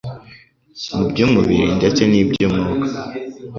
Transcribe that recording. Mu by'umubiri ndetse n'iby'umwuka,